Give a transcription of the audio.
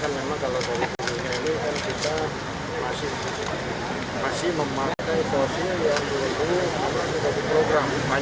karena akan memang kalau dari bumi ini